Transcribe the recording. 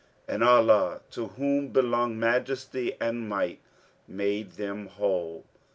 And Allah (to whom belong Majesty and Might!) made them whole.